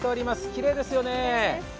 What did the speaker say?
きれいですよね。